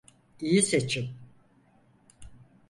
İyi seçim.